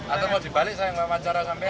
atau mau dibalik saya gak mau acara sampean